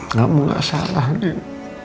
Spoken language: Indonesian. kamu gak salah din